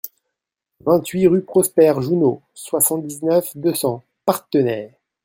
vingt-huit rue Prosper Jouneau, soixante-dix-neuf, deux cents, Parthenay